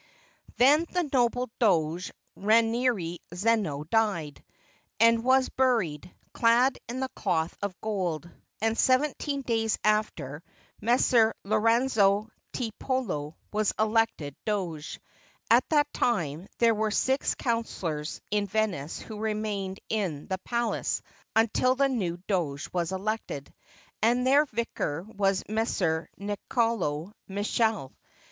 ] Then the noble Doge Rainieri Zeno died, and was buried, clad in cloth of gold; and seventeen days after, Messer Lorenzo Tiepolo was elected Doge. At that time there were six councilors in Venice who remained in the palace until the new Doge was elected, and their vicar was Messer Nicolao Michele.